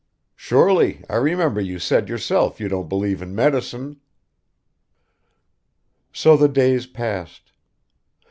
"Surely I remember you said yourself you don't believe in medicine." So the days passed.